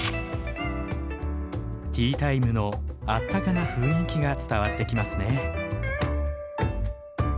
ティータイムのあったかな雰囲気が伝わってきますね。